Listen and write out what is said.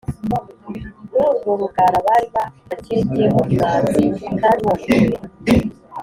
Kuri urwo rugara bari barakebyeho imanzi kandi ibisate by’uwo mutwe